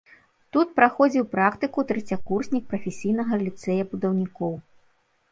Тут праходзіў практыку трэцякурснік прафесійнага ліцэя будаўнікоў.